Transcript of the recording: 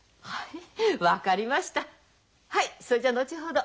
はいそいじゃ後ほど。